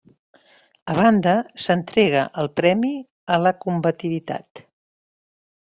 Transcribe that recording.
A banda, s'entrega el premi a la combativitat.